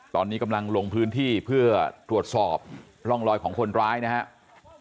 ตอนนี้กำลังลงพื้นที่เพื่อตรวจสอบร่องรอยของคนร้ายนะครับ